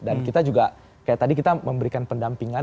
dan kita juga kayak tadi kita memberikan pendampingan